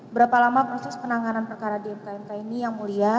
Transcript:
berapa lama proses penanganan perkara di mkmk ini yang mulia